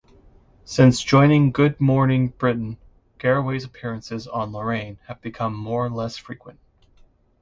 Since joining "Good Morning Britain", Garraway's appearances on "Lorraine" have become more less frequent.